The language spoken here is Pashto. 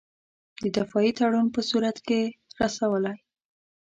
د دفاعي تړون په صورت کې رسولای.